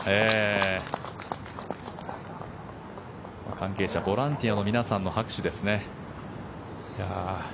関係者、ボランティアの皆さんの拍手ですね。